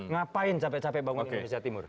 ngapain capek capek bangun indonesia timur